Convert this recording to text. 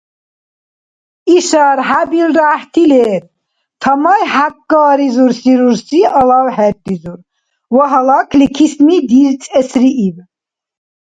Ишар хӀябилра гӀяхӀти лер… – тамай хӀяккаризурси рурси алав хӀерризур ва гьалакли кисми дирцӀесрииб.